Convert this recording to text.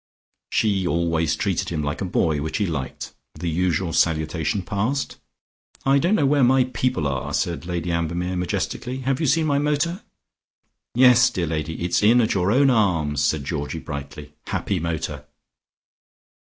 She always treated him like a boy, which he liked. The usual salutation passed. "I don't know where my people are," said Lady Ambermere majestically. "Have you seen my motor?" "Yes, dear lady, it's in at your own arms," said Georgie brightly. "Happy motor!"